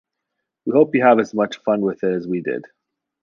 We hope you have as much fun with it as we did.